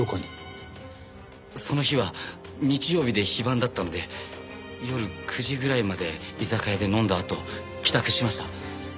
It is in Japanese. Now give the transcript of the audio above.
その日は日曜日で非番だったので夜９時ぐらいまで居酒屋で飲んだあと帰宅しました。